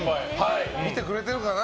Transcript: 見てくれてるかな。